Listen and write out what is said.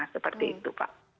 seperti itu pak